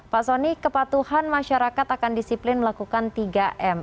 pak soni kepatuhan masyarakat akan disiplin melakukan tiga m